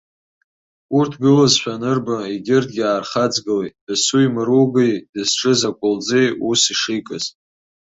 Урҭ гылазшәа анырба, егьырҭгьы аархаҵгылеит, дасу имаругеи дызҿыз акәалӡи ус ишикыз.